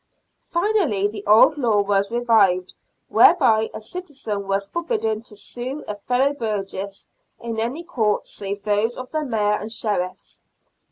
Finally the old law was revived whereby a citizen was forbidden to sue a fellow burgess in any court save those of the mayor and sheriffs.